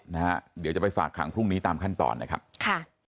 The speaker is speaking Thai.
เดี๋ยวจะไปฝากขังพรุ่งนี้ตามขั้นตอนนะครับค่ะ